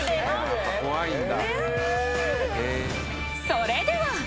［それでは］